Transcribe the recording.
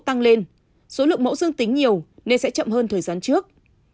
tăng lên số lượng mẫu dương tính nhiều nên sẽ chậm hơn thời gian trước